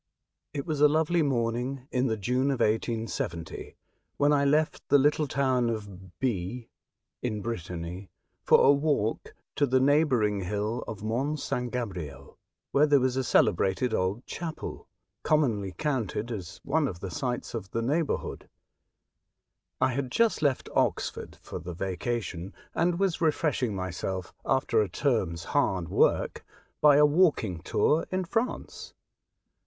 IT was a lovely morning in the June of 1870, when I left the little town of B , in Brittany, for a walk to the neighbouring hill of Mont St. Gabriel, where there was a cele brated old chapel, commonly counted as one of the sights of the neighbourhood. I had just left Oxford for the vacation, and was refreshing myself, after a term's hard work, by a walking tour in France.